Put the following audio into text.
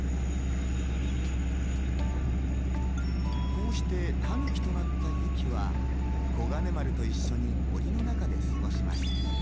こうしてタヌキとなったゆきはこがね丸と一緒に森の中で過ごします。